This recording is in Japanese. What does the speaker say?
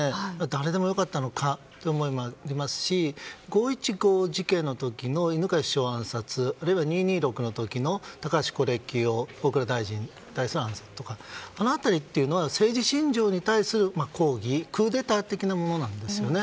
誰でもよかったのかとなりますし五・一五事件の時の犬養首相暗殺あるいは二・二六の時の高橋是清大蔵大臣に対する暗殺とかあの辺りというのは政治信条に対する抗議クーデター的なものなんですよね。